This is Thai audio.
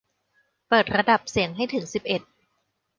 เปิดระดับเสียงให้ถึงสิบเอ็ด